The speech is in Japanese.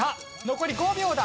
残り５秒だ。